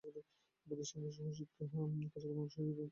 প্রতিষ্ঠানটিতে সহশিক্ষা কার্যক্রমের অংশ হিসেবে বিভিন্ন ক্লাব রয়েছে।